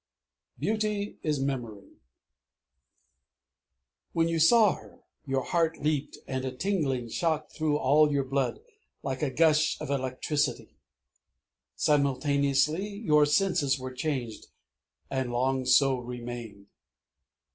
Beauty is Memory I When you first saw her your heart leaped, and a tingling shocked through all your blood like a gush of electricity. Simultaneously your senses were changed, and long so remained.